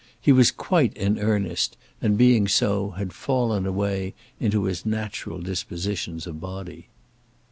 He was quite in earnest, and being so had fallen away into his natural dispositions of body.